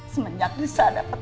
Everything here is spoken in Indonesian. semenjak bisa dapet